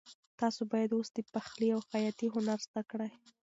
تاسو باید اوس د پخلي او خیاطۍ هنر زده کړئ.